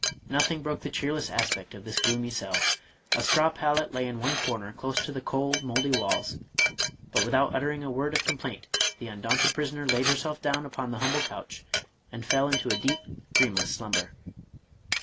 Nothing broke the cheerless aspect of this gloomy cell. A straw pallet lay in one corner close to the cold, mouldy walls, but without uttering a word of complaint the undaunted prisoner laid herself down upon the humble couch and fell into a deep, dreamless slumber.